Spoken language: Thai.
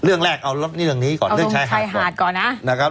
เรื่องแรกเอาเรื่องนี้เรื่องนี้ก่อนเอาเรื่องชายหาดก่อนนะนะครับ